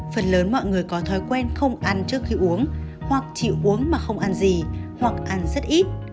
phần lớn mọi người có thói quen không ăn trước khi uống hoặc chịu uống mà không ăn gì hoặc ăn rất ít